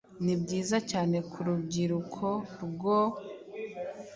nibyiza cyane kurubyiruko rwoe